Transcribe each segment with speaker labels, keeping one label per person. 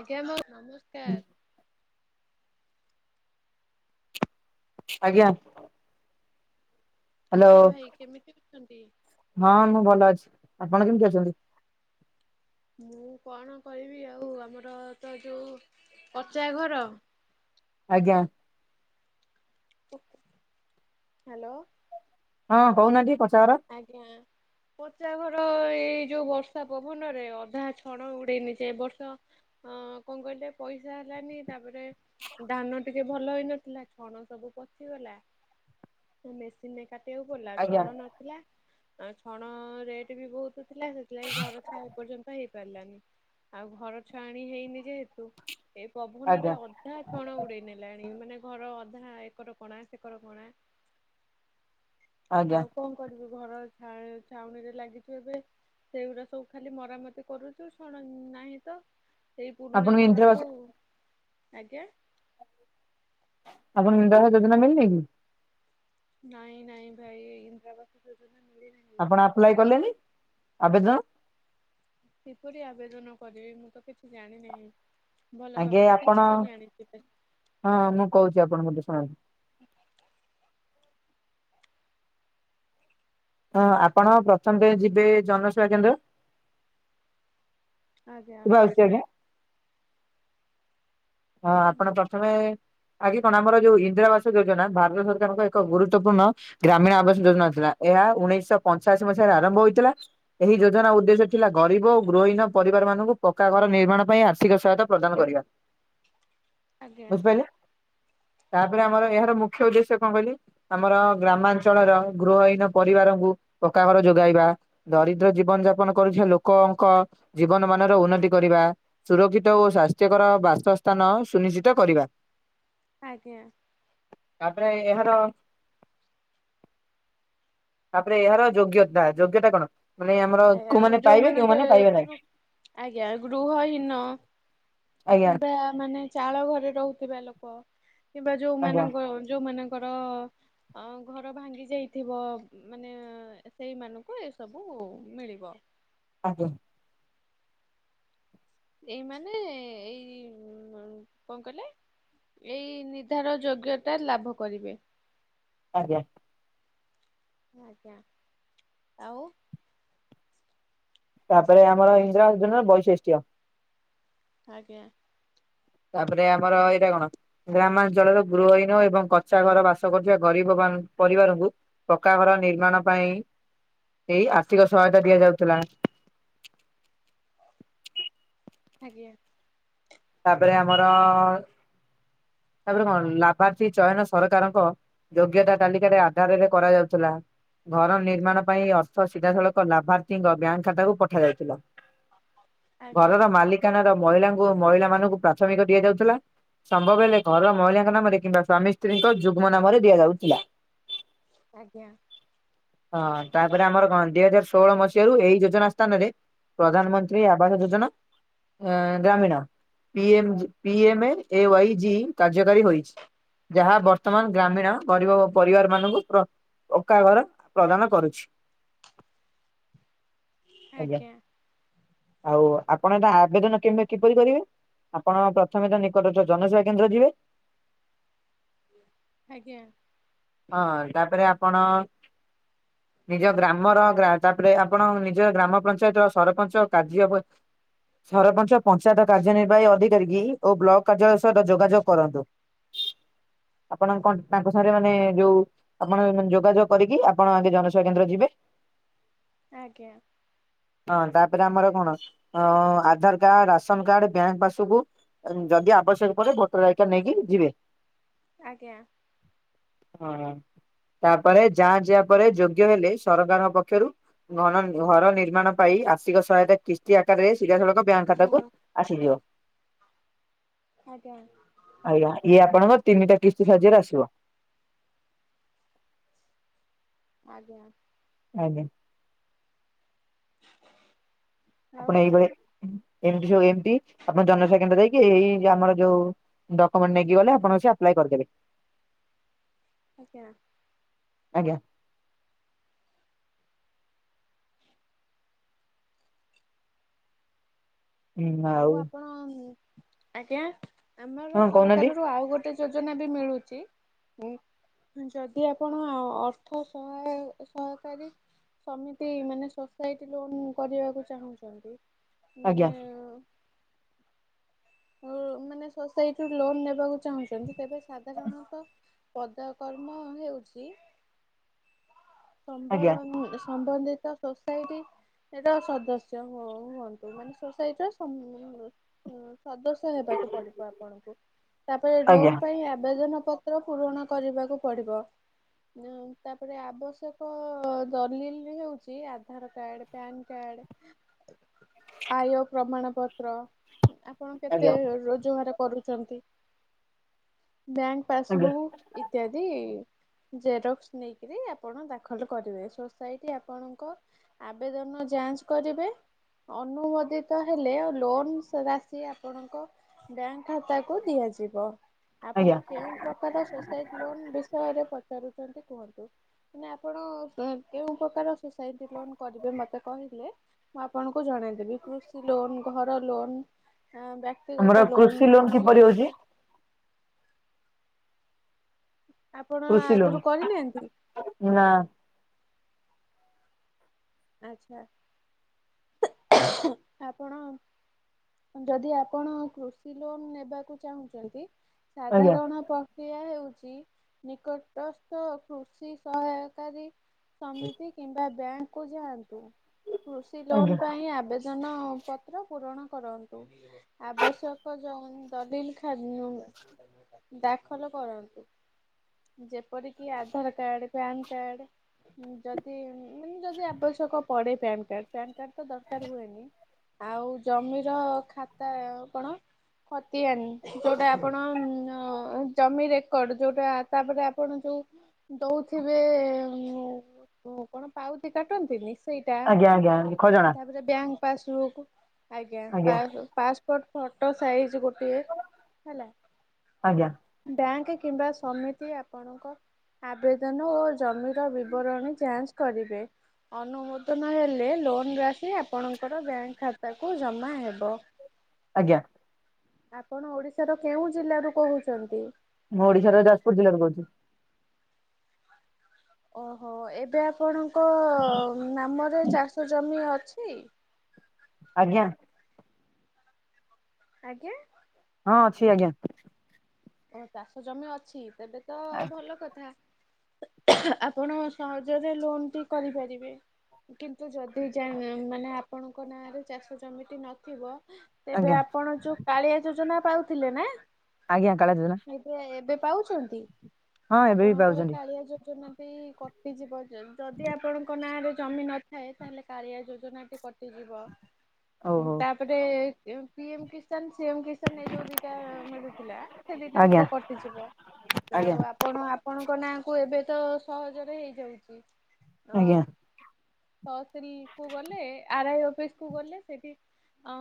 Speaker 1: ଆଜ୍ଞା ବୋଉ ନମସ୍କାର।
Speaker 2: ଆଜ୍ଞା। ହାଲୋ
Speaker 1: ଆଜ୍ଞା ଭାଇ କେମିତି ଅଛନ୍ତି?
Speaker 2: ହଁ ମୁଁ ଭଲ ଅଛି। ଆପଣ କେମତି ଅଛନ୍ତି।
Speaker 1: ମୁଁ କଣ କହିବି ଆଉ ଆମର ତ ଯୋଉ କଚା ଘର।
Speaker 2: ଆଜ୍ଞା।
Speaker 1: ହାଲୋ।
Speaker 2: ହଁ କଉ ନାହାନ୍ତି ଟି
Speaker 1: ଆଜ୍ଞା ପଚା ଘର ଏ। ଏଇ ଯୋଉ ବର୍ଷା ପବନରେ ଅଧା ଛଣ ଉଡେଇ ନେଇ ଯାଏ ଏ ବର୍ଷ। ହଁ କଁ କହିଲେ ପଇସା ହେଲାନି ତାପରେ ଧାନ ଟିକେ। ଭଲ ହେଇନଥିଲା ଛଣ ସବୁ ପଚିଗଲା ସବୁ ମେସିନ ରେ। କାଟିବାକୁ ପଡିଲା
Speaker 2: ଆଜ୍ଞା
Speaker 1: ଛଣ ନ ଆ ଛଣ ରେଟ୍ ବି ବହୁତ ଥିଲା ସେଥିଲାଗି ଘର ଛା ଏ ପର୍ଯ୍ୟନ୍ତ ହେଇ ପାରି ଲାନି ଆଉ ଘର ଛାଆଣି ହେଇନି ଯେହେତୁ ଏ ପଭନ
Speaker 2: ଆଜ୍ଞା
Speaker 1: ରେ ଅଧା ଛଣ ଉଡେଇ ନେଲା। ଏଇ ମାନେ ଘର ଅଧା ଏକର କଣା ସେକର କଣା।
Speaker 2: ଆଜ୍ଞା।
Speaker 1: ଆଉ କଣ କରିବୁ ଘର ଛା ଛାଉଣିରେ ଲାଗିଚୁ ଏବେ। ସେଇଗୁଡା ସବୁ ଖାଲି ମରାମତି କରୁଛୁ ଛଣ ନାହିଁ ତ। ସେଇ ପୁରୁଣା
Speaker 2: ଆପଣଙ୍କୁ
Speaker 1: ଛଣ
Speaker 2: ଇନ୍ଦିରା ଆବାସ
Speaker 1: କୁ, ଆଜ୍ଞା।
Speaker 2: ଆପଣଙ୍କୁ ଇନିନ୍ଦାରା ଆବାସ, ଯୋଜନା ମିିଳିନେଇ କି?
Speaker 1: ନାଇଁ ନାଇଁ ଭାଇ ଇନ୍ଦ୍ରାରାବାସ ଯୋଜନା। ମିଳିନାହିଁ ମୋତେ।
Speaker 2: ଆପଣ ଆପ୍ଲାଏ କଲେନି ଆବେଦନ।
Speaker 1: କିପରି ଆବେଦନ କରିବି, ମୁଁ ତ କିଛି ଜାଣିିନହିଁ।
Speaker 2: ଆଗେ ଆପଣ ହଁ ମୁଁ କହୁଛି ଆପଣଙ୍କୁ ଟିକେ ଶୁଣନ୍ତୁ।
Speaker 1: ହ [inaudible]
Speaker 2: ହଁ ଆପଣ ପ୍ରଥମେ ତ ଯିବେ ଜନସେବା କେନ୍ଦ୍ର।
Speaker 1: ଆଜ୍ଞା
Speaker 2: [unintelligible] ହଁ ଆପଣ ପ୍ରଥମେ। ଆଗେ କଣ ଆମର ଯୋଉ ଇନ୍ଦିରା ଆବାସ ଯୋଜନା ଭାରତ ସରକାରଙ୍କ ଏକ ଗୁରୁତ୍ୱପୂର୍ଣ୍ଣ ଗ୍ରାମୀଣ ଆବାସ ଯୋଜନା ଥିଲା। ଏହା ଉଣେଇଶହ ପଞ୍ଚାଅଶୀ ମସିହାରେ ଆରମ୍ଭ ହୋଇଥିଲା, ଏହି ଯୋଜନା ଉଦ୍ଦେଶ୍ୟ ଥିଲା ଗରିବ ଓ ଗୃହ ହୀନ ପରିବାର। ମାନଙ୍କୁ ପକ୍କା ଘର ନିର୍ମାଣ ପାଇଁ ଆର୍ଥିକ ସହାୟତା ପ୍ରଦାନ କରିବା।
Speaker 1: ଆଜ୍ଞା
Speaker 2: ବୁଝିପାରିଲେ, ତାପରେ ଆମର
Speaker 1: ଆଜ୍ଞା।
Speaker 2: ଏହାର ମୁଖ୍ୟ ଉଦ୍ଦେଶ୍ୟ କଁ କହିଲେ। ଆମର ଗ୍ରାମାଞ୍ଚଳର ଗୃହହୀନ ପରିବାରଙ୍କୁ ପକ୍କା ଘର ଯୋଗାଇବା ଦରିଦ୍ରଜୀ ଜୀବନ ଯାପନ କରୁଥିବା ଲୋକଙ୍କ ଜୀବନ ମାନର ଉନ୍ନତି କରିବା ସୁରକ୍ଷିତ ଓ ସ୍ୱାସ୍ଥ୍ୟକର ବାସ ସ୍ଥାନ ସୁନିଶ୍ଚିତ କରିବା।
Speaker 1: ଆଜ୍ଞା।
Speaker 2: ପ୍ରାଏ ଏହାର। ତାପରେ ଏହାର ଯୋଗ୍ୟତା, ଯୋଗ୍ୟତା କଣ ମାନେ ଆମର
Speaker 1: ଆଜ୍ଞା
Speaker 2: କୋଉମାନେ
Speaker 1: ଯୋଉ
Speaker 2: ପାଇବେ କେଉଁମାନେ ପାଇବେ ନାହିଁ
Speaker 1: ମାନଙ୍କର ଆଜ୍ଞା ଗୃହ ହୀନ
Speaker 2: ଆଜ୍ଞା
Speaker 1: କିମ୍ବା ମାନେ ଚାଳ ଘରେ ରହୁଥିବା ଲୋକ କିମ୍ବା
Speaker 2: ଆଜ୍ଞା
Speaker 1: ଯୋଉମାନଙ୍କ, ଯୋଉମାନଙ୍କର ହଁ ଘର ଭାଙ୍ଗି ଯାଇଥିବ ମାନେ ସେଇମାନଙ୍କୁ ଏସବୁ ମିଳିବ।
Speaker 2: ଆଜ୍ଞା।
Speaker 1: ଏଇମାନେେ, ଏଇ କଣ କହିଲେ? ଏଇ ନିର୍ଦ୍ଧାର ଯୋଗ୍ୟତା ଲାଭ କରିବେ।
Speaker 2: ଆଜ୍ଞା।
Speaker 1: ଆଜ୍ଞା, ଆଉ
Speaker 2: ତାପରେ ଆମର ଇନ୍ଦ୍ରା ଯୋଜନା ବାଇସେଷ୍ଟ୍
Speaker 1: ଆଜ୍ଞା।
Speaker 2: ତାପରେ ଆମର ଏଇଟା କଣ ଗ୍ରାମାଞ୍ଚଳରେ ଗୃହହୀନ ଏବଂ କଚା ଘର ବାସ କରୁଥିବା ଗରିବ ମା ପରିବାରଙ୍କୁ ପକ୍କାଘର ନିର୍ମାଣ ପାଇଁ ଏଇ ଆର୍ଥିକ ସହାୟତା ଦିଆଯାଉଥିଲା।
Speaker 1: ଆଜ୍ଞା।
Speaker 2: ତାପରେ ଆମର ତାପରେ କଣ ଲାଭାର୍ଥୀ ଚୟନ ସରକାରଙ୍କ ଯୋଗ୍ୟତା ତାଲିକରେ ଆଧାରରେ କରାଯାଉଥିଲା ଘର ନିର୍ମାଣ ପାଇଁ ଅର୍ଥ ସିଧାସଳଖ ଲାଭାର୍ଥୀଙ୍କ ବ୍ୟାଙ୍କ ଖାତାକୁ ପଠାଯାଇଥିଲା।
Speaker 1: ଆଜ୍ଞା
Speaker 2: ଘରର ମାଲିକାନାର ମହିଳାଙ୍କୁ ମହିଳାମାନଙ୍କୁ ପ୍ରାଥମିକ ଦିଆଯାଉଥି ସମ୍ଭବ ହେଲେ ଘର ମହିଳାଙ୍କ ନାମରେ କିମ୍ବା ସ୍ଵାମୀ ସ୍ତ୍ରୀଙ୍କ ଯୁଗ୍ମ ନାମରେ ଦିଆଯାଉଥିଲା।
Speaker 1: ଆଜ୍ଞା ଆଜ୍ଞା
Speaker 2: ହଁ ତାପରେ ଆମର [unintelligible] ଷୋହଳ ମସିହାରୁ ଏଇ ଯୋଜନା ସ୍ଥାନରେ ପ୍ରଧାନମନ୍ତ୍ରୀ ଆବାସ ଯୋଜନା ଗ୍ରାମୀଣ P M P M A Y G କାର୍ଯ୍ୟକାରୀ ହୋଇଚି। ଯାହା ବର୍ତ୍ତମାନ ଗ୍ରାମୀଣ ଗରିବ ଓ ପରିବାର ମାନଙ୍କୁ ପକାଘର ପ୍ରଦାନ କରୁଛି।
Speaker 1: ଆଜ୍ଞା।
Speaker 2: ଆଉ ଆପଣ ଏଟା ଆବେଦନ କେ କିପରି କରିବେ? ଆପଣ ପ୍ରଥମେ ତ ନିକଟରେ ଜନସେବା କେନ୍ଦ୍ର ଯିବେ।
Speaker 1: ଆଜ୍ଞା।
Speaker 2: ପଣ ନିଜ ଗ୍ରାମର ଗ୍ରା ତାପରେ ଆପଣ ନିଜ ଗ୍ରାମ ପଞ୍ଚାୟତ ସରପଞ୍ଚ କାର୍ଯ୍ୟ ପ ସରପଞ୍ଚ ପଞ୍ଚାୟତ କାର୍ଯ୍ୟ ନିିର୍ବାହୀ ଅଧିକ୍ କରିକି ଓ ବ୍ଲକ୍ କାର୍ଯ୍ୟାଳୟ ସହିତ ଯୋଗାଯୋଗ କରନ୍ତୁ। ଆପଣ କନ୍ ତାଙ୍କ ସାଙ୍ଗରେ ନେ ଯୋଉ ଆପଣ ଯୋଗାଯୋଗ କରିକି ଆପଣ ଆଗେ ଜନସେବା କେନ୍ଦ୍ର ଯିବେ
Speaker 1: ଆଜ୍ଞା।
Speaker 2: ହଁ ତାପରେ ଆମର କଣ Aadhaar card, ration card, bank passbook ଯଦି ଆବଶ୍ୟକ ପଡେ ଭୋଟର ଆଇକାର୍ଡ ନେଇକି ଯିବେ।
Speaker 1: ଆଜ୍ଞା।
Speaker 2: ହଁ ତାପରେ ଯା ଯିବା ପରେ ଯୋଗ୍ୟ ହେଲେ ସରକାରଙ୍କ ପକ୍ଷରୁ ଘନ ଘର ନିର୍ମାଣ ପାଇଁ ଆ ମାସିକ ସହାୟତା କିସ୍ତି ଆକାରରେ ସିଧାସଳଖ ବ୍ୟାଙ୍କ ଖାତାକୁ ଆସିଯିବ।
Speaker 1: ଆଜ୍ଞା
Speaker 2: ଆଜ୍ଞା ଇଏ ଆପଣଙ୍କର ତିନିଟା କିସ୍ତି ସାହାଯ୍ୟରେ ଆସିବ।
Speaker 1: ଆଜ୍ଞା।
Speaker 2: ଆଜ୍ଞା। ଆପଣ
Speaker 1: ଆଉ
Speaker 2: ଏଇଭଳି ଏମତି ସ ଏମିତି ଆପଣ ଜନସେବା କେନ୍ଦ୍ର ଯାଇକି ଏଇ ଆମର ଯୋଉ ଡକୁମେଣ୍ଟ ନେଇକି ଗଲେ ଆପଣଙ୍କର ସେ ଆପ୍ଲାଏ କରିଦେବେ।
Speaker 1: ଆଜ୍ଞା।
Speaker 2: ଆଜ୍ଞା।
Speaker 1: ଆଉ ଆପଣ ଆଜ୍ଞା, ଆମର
Speaker 2: ହଁ କହୁନାହାନ୍ତି
Speaker 1: ସରକାର ରୁ ଆଉ ଗୋଟେ ଯୋଜନା ବି ମିଳୁଚି। ଯଦି ଆପଣ ଅର୍ଥ ସହାୟ ସହକାରୀ ସମିତି ମାନେ ସୋସାଇଟି ଲୋନ୍ କରିବାକୁ ଚାହୁଁଛନ୍ତି
Speaker 2: ଆଜ୍ଞା।
Speaker 1: ମାନେ ଓ ମାନେ ସୋସାଇଟିରୁୁ ଲୋନ ନେବାକୁ ଚାହୁଁଛନ୍ତି ତେବେ ସାଧାରଣତଃ ପଦ କର୍ମ ହେଉଛି
Speaker 2: ଆଜ୍ଞା
Speaker 1: ସମ୍ଭନିୟ ସ ନ୍ଦିତ ସୋସାଇଟି ର ସଦସ୍ୟ ହୁଅନ୍ତୁ। ମାନେ ସୋସାଇଟିର ସ ସଦସ୍ୟ ହେବାକୁ ପଡିବ ଆପଣଙ୍କୁ। ତାପରେ
Speaker 2: ଆଜ୍ଞା
Speaker 1: ଲୋନ୍ ପାଇଁ ଆବେଦନ ପତ୍ ତ୍ର ପୂରଣ କରିବାକୁ ପଡିବ। ତାପରେ ଆବଶ୍ୟକ ଦଲିଲ୍ ହଉଚି ଆଧାର କାର୍ଡ, ପ୍ୟାନ୍ କାର୍ଡ ଆୟ ପ୍ରମାଣ ପତ୍ର ଆପଣ କେତେ
Speaker 2: ଆଜ୍ଞା
Speaker 1: ରୋଜଗାର କରୁଚନ୍ତି। ବ୍ୟାଙ୍କ
Speaker 2: ଆଜ୍ଞା
Speaker 1: ପାସବୁକ୍ ଇତ୍ୟାଦି ଜେରକ୍ସ ନେଇକିରି ଆପଣ ଦାଖଲ କରିବେ। ସୋସାଇଟି ଆପଣଙ୍କ ଆବେଦନ ଯାଞ୍ଚ କରିବେ। ଅନୁମୋଦିତ ହେଲେ ଲୋନ୍ ସେବା ସିଏ ଆପଣଙ୍କ ବ୍ୟାଙ୍କ ଖାତାକୁ ଦିଆଯିବ। ଆପଣ
Speaker 2: ଆଜ୍ଞା
Speaker 1: କେଉଁ ପ୍ରକାର ସୋସାଇଟି ଲୋନ୍ ବିଷୟରେ ପ ଚନ୍ତି କୁହନ୍ତୁ। ମାନେ ଆପଣ କେଉଁ ପ୍ରକାର ସୋସାଇଟି ଲୋନ୍ କରିବେ ମତେ କହି [unintelligible] ମୁଁ ଆପଣଙ୍କୁ ଜଣେଇଦେବି। କୃଷି ଲୋନ୍, ଘର ଲୋନ୍ ଅ
Speaker 2: ଆମର
Speaker 1: ବ୍ୟକ୍ତିଗତ
Speaker 2: କୃଷି
Speaker 1: ଲୋନ ଅନ୍ୟ
Speaker 2: କିପରି ହଉଛି
Speaker 1: କିଛି ଆପଣ
Speaker 2: କୃଷି ଲୋନ
Speaker 1: ଆଗରୁ କରିନାହାନ୍ତି?
Speaker 2: ନା
Speaker 1: ଆଚ୍ଛା ଆପଣ ଯଦି ଆପଣ କୃଷି ଲୋନ ନେବାକୁ ଚାହୁଁଛନ୍ତି
Speaker 2: ଆଜ୍ଞା
Speaker 1: ସାଧାରଣ ପ୍ରକ୍ରିୟା ହେଉ ଚି ନିକଟସ୍ଥ କୃଷି ସହାୟକାରୀ ସମିତି କିମ୍ବା ବ୍ୟାଙ୍କ୍ କୁ ଯାଆନ୍ତୁ। କୃଷି ଲୋନ
Speaker 2: ଆଜ୍ଞା
Speaker 1: ପାଇଁ ଆବେଦନ ହଁ ପତ୍ର ପୂରଣ କରନ୍ତୁ। ଆବଶ୍ୟକ ଯୋଉ ଦଲିଲ୍ ଖା ଦାଖଲ କରନ୍ତୁ। ଯେପରିକି ଆଧାର କାର୍ଡ, ପ୍ୟାନ କାର୍ଡ ଯଦି ମାନେ ଯଦି ଆବଶ୍ୟକ ପଡ଼େ ପ୍ୟାନ କାର୍ଡ ପାନ କାର୍ଡ ତ ଦରକାର ହୁଏନି। ଆଉ ଜମିର ଖାତା କଣ ଖତିଆନି ଯୋଉଟା ଆପଣ ଜମିରେ କଣ ଯୋଉଟା ତାପରେ ଆପଣ ଯୋଉ ଦଉଥିବେ ମୁଁ କଣ ପାଉତି କାଟନ୍ତିନି।
Speaker 2: ଆଜ୍ଞା ଆଜ୍ଞା ଖଜଣା।
Speaker 1: ପାସ୍‌ବୁକ୍ ଆଜ୍ଞା ପାସ୍ ପାସ‌ପୋଟ୍ ଫଟୋ ସାଇଜ ଗୋ ଟିଏ ହେଲା।
Speaker 2: ଆଜ୍ଞା
Speaker 1: ବ୍ୟାଙ୍କ କିମ୍ବା ସମିତି ଆପଣଙ୍କ ଆବେଦନ ଓ ଜମିର ବିବରଣୀ ଯାଞ୍ଚ କରିବେ। ଅନୁମୋଦନ ହେଲେ ଲୋନ୍‌ ରାଶି ଆପଣଙ୍କର ବ୍ୟାଙ୍କ ଖାତାକୁ ଜମା ହେବ।
Speaker 2: ଆଜ୍ଞା।
Speaker 1: ଆପଣ ଓଡିଶାର କେଉଁ ଜିଲ୍ଲା ରୁ କହୁଛନ୍ତି?
Speaker 2: ମୁଁ ଓଡିଶାର ଯାଜପୁର ଜିଲ୍ଲା ରୁ କହୁଚି।
Speaker 1: ଅହୋ ଏବେ ଆପଣଙ୍କ ନାମରେ ଚାଷ ଜମି ଅଛି?
Speaker 2: ଆଜ୍ଞା।
Speaker 1: ଆଜ୍ଞା।
Speaker 2: ହଁ ଅଛି ଆଜ୍ଞା।
Speaker 1: ଓ ଚାଷ ଜମି ଅଛି ତେବେ ତ ଭଲ କଥା। ଆପଣ ସହଜରେ ଲୋନ୍‌ ଟି କରିପାରିବେ। କିନ୍ତୁ ଯଦି ଯା ମାନେ ଆପଣଙ୍କ ନାଁରେ ଚାଷ ଜମି ଟି ନଥିବ। ତେବେ
Speaker 2: ଆଜ୍ଞା
Speaker 1: ଆପଣ ଯୋଉ କାଳିଆ ଯୋଜନା ପାଉଥିଲେ ନା।
Speaker 2: ଆଜ୍ଞା କାଳିଆ ଯୋଜନା।
Speaker 1: ଏବେ ଏବେ ପାଉଛନ୍ତି
Speaker 2: ହଁ ଏବେ ବି
Speaker 1: ଆପଣଙ୍କର
Speaker 2: ପାଉଛନ୍ତି
Speaker 1: କାଳିଆ ଯୋଜନା ବି କଟିଯିବ। ଯଦି ଆପଣଙ୍କ ନାଁରେ ଜମି ନଥାଏ ତାହେଲେ କାଳିିଆ ଯୋଜନାଟି କଟିଯିବ।
Speaker 2: ଓହୋ
Speaker 1: ତାପରେ P M Kisan CM Kisan ଏଇ ଯୋଉ ଦିଟା ମିଳୁଥିଲା। ସେ
Speaker 2: ଆଜ୍ଞା
Speaker 1: ଦିଟାଙ୍କ କଟିଯିବ ଆଉ
Speaker 2: ଆଜ୍ଞା
Speaker 1: ଆପଣ ଆପଣ ହଙ୍କ ନାଁ କୁ ଏବେ ତ ସହଜରେ ହେଇଯାଉଛି।
Speaker 2: ଆଜ୍ଞା
Speaker 1: ତହସିଲ୍ ‌କୁ ଗଲେ ଆରାଇଅଫିସ୍‌ କୁ ଗଲେ ସେଠି ଅ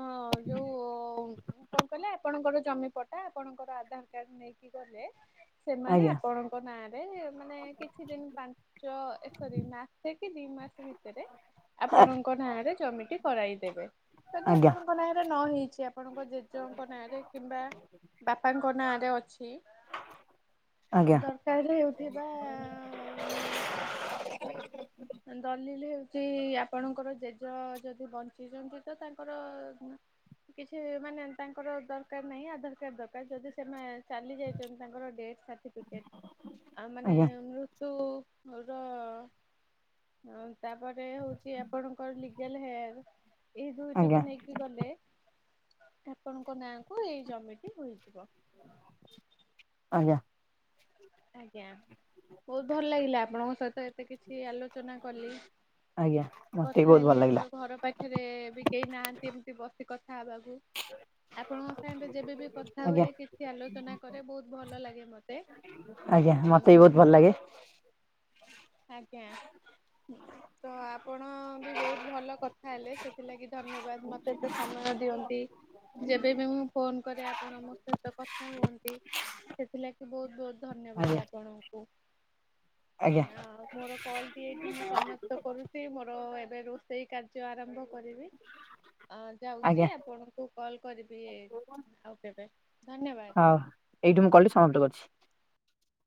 Speaker 1: ଯୋଉ କଣ କହିଲେ ଆପଣଙ୍କର ଜମି ପଟା ଆପଣଙ୍କର ଆ ତାକାରି ନେଇକି ଗଲେ ସେମାନେ
Speaker 2: ଆଜ୍ଞା
Speaker 1: ଆପଣଙ୍କ ନାଁରେ ମାନେ କିଛି ଦିନ ପାଞ୍ଚ ଏକ ଦିନ ମାସେ କି ଦି ମାସ ଭିତରେ ଆପଣଙ୍କ ନାଁରେ ଜମି ଟି କରାଇଦେବେ ଯଦି
Speaker 2: ଆଜ୍ଞା
Speaker 1: ଆପଣଙ୍କ ନାଁରେ ନ ହେଇ ଆପଣଙ୍କ ଜେଜେଙ୍କ ନାଁ ରେ କିମ୍ବା ବାପାଙ୍କ ନାଁରେ ଅଛି।
Speaker 2: ଆଜ୍ଞା
Speaker 1: ଦରକାର ହେଉଥିବା ମାନେ ଯେମିତି ଏ ଦଲିଲ୍ ଚି ଆପଣଙ୍କର ଜେଜେ ଯଦି ବଞ୍ଚିଛନ୍ତି ତ ତାଙ୍କର କିଛି ମାନେ ତାଙ୍କର ଦରକାର ନାହିଁ ଆଧାର କାର୍ଡ ଦରକାର। ସେମାନେ ଚାଲି ଯାଇଛନ୍ତି ତାଙ୍କର ଡେଥ ସାଟି ପିକ୍ଟେଆଉ ମାନେ
Speaker 2: ଆଜ୍ଞା
Speaker 1: ମୃ ତୁ ର ହ ତାପରେ ହଉଛି ଆପଣଙ୍କର ଲିଗାଲ୍ ହେୟାର୍। ଏଇ ଦୁଇଟିକୁ
Speaker 2: ଆଜ୍ଞା
Speaker 1: ନେଇକି ଗଲେ ଆପଣଙ୍କ ନାଁ କୁ ଏଇ ଜମିଟି ହୋଇଯିବ। କିଛି କହିନାହାନ୍ତି
Speaker 2: ଆଜ୍ଞା।
Speaker 1: ଆଜ୍ଞା ବହୁତ ଭଲ ଲାଗିଲା ଆପଣଙ୍କ ସହିତ ଏତେ କିଛି ଆଲୋଚ଼ନା କଲି।
Speaker 2: ଆଜ୍ଞା ମତେ ବି
Speaker 1: କଥା
Speaker 2: ବହୁତ ଭଲ
Speaker 1: ହେଲି
Speaker 2: ଲାଗିଲା
Speaker 1: ଆମର ଘର ପାଖରେ ବି କେହି ନାହାନ୍ତି ଏମତି ବସି କଥା ହେବାକୁ ଆପଣଙ୍କ ସାଙ୍ଗରେ ଯେବେବି କଥା
Speaker 2: ଆଜ୍ଞା
Speaker 1: ହୁଏ କିଛି ଆଲୋଚନା କରେ ବହୁତ ଭଲ ଲାଗେ ମତେ।
Speaker 2: ଆଜ୍ଞା। ମତେ ବି ବହୁତ
Speaker 1: ଉଁ
Speaker 2: ଭଲ ଲାଗେ।
Speaker 1: ଆଜ୍ଞା ତ ଆପଣ ବି ବହୁତୁ ଭଲ କଥା ହେଲେ ସେଥିଲାଗି ଧନ୍ୟବାଦ ମତେ ଏତେ ସମୟ ଦିଅନ୍ତି। ଯେବେବି ମୁଁ ଫୋନ କରେ ଆପଣ ମୋ ସହିତ କଥା ହୁଅନ୍ତି ସେଥିଲାଗି ବହୁତୁ ବହୁତୁ ଧନ୍ୟବାଦ
Speaker 2: ଆଜ୍ଞା
Speaker 1: ଆପଣଙ୍କୁ।
Speaker 2: ଆଜ୍ଞା
Speaker 1: ନା ଆଉ ମୋର କଲଟି ଏଇଠି ମୁଁ ସମାପ୍ତ କରୁଛି ମୋର ରୋଷେଇ କାର୍ଯ୍ୟ ଆରମ୍ଭ କରିବି। ଅ ଯାଉଛି
Speaker 2: ଆଜ୍ଞା
Speaker 1: ଆପଣଙ୍କୁ କଲ କରିବି ଆଉ କେବେ। ଧନ୍ୟବାଦ।
Speaker 2: ହଉଏଇଠୁ ମୁଁ କଲ ଟି ସମାପ୍ତ କରିଛି।